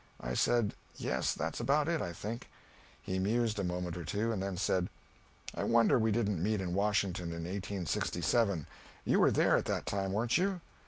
I said, "Yes, that's about it, I think." He mused a moment or two and then said, "I wonder we didn't meet in Washington in 1867; you were there at that time, weren't you?"